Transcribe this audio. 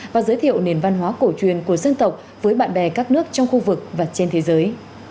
và giới thiệu nền văn hóa cổ truyền của dân tộc với bạn bè các nước trong khu vực và trên thế giới